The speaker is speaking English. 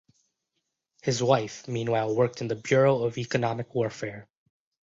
His wife, meanwhile, worked in the Bureau of Economic Warfare.